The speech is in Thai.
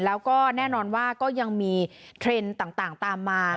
แล้วก็แน่นอนว่าก็ยังมีเทรนด์ต่างตามมา